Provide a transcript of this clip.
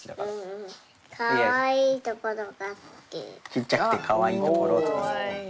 ちっちゃくてかわいいところが好き？